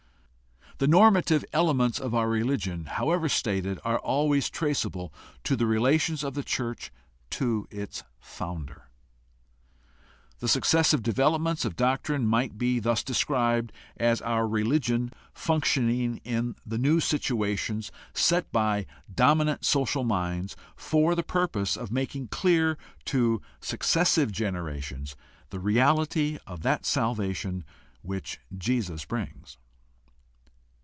The normative elements of our religion, however stated, are always traceable to the relations of the church to its Founder. The successive developments of doctrine might be thus described as our religion functioning in the new situations set by dominant social minds for the purpose of making clear to successive generations the reality of that salvation which Jesus brings.